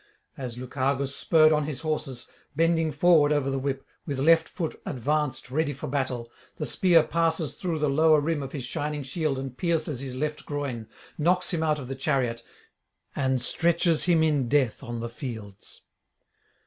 As Lucagus spurred on his horses, bending forward over the whip, with left foot advanced ready for battle, the spear passes through the lower rim of his shining shield and pierces his left groin, knocks him out of the chariot, and stretches him in death on the fields.